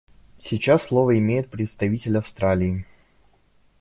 Сейчас слово имеет представитель Австралии.